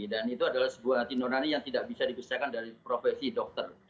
dan itu adalah sebuah tinonani yang tidak bisa dibesarkan dari profesi dokter